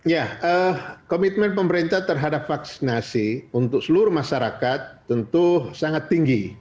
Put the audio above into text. ya komitmen pemerintah terhadap vaksinasi untuk seluruh masyarakat tentu sangat tinggi